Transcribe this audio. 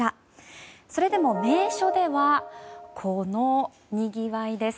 それでも名所ではこのにぎわいです。